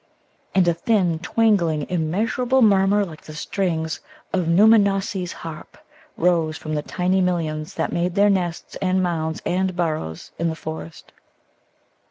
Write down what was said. And a thin, twangling, immeasurable murmur like the strings of Nōōmanossi's harp rose from the tiny millions that made their nests and mounds and burrows in the forest.